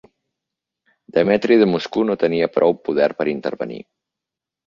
Demetri de Moscou no tenia prou poder per intervenir.